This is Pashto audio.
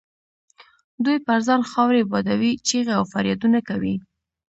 دوی پر ځان خاورې بادوي، چیغې او فریادونه کوي.